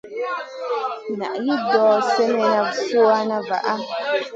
Naʼ hin ɗor sinèhna suwayna vaʼa.